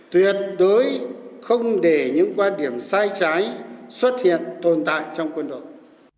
tuyệt đối không để những quan điểm sai trái xuất hiện tồn tại trong quân đội